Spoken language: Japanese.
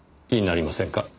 気になりませんか？